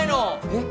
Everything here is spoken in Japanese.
えっ？